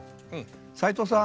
斎藤さん？